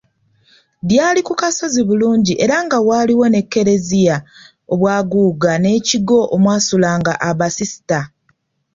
Lyali ku kasozi bulungi era nga waaliwo ne Kereziya obwaguuga n'ekigo omwasulanga abasisita.